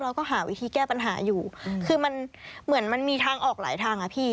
เราก็หาวิธีแก้ปัญหาอยู่คือมันเหมือนมันมีทางออกหลายทางอ่ะพี่